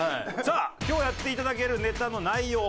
さあ今日やっていただけるネタの内容。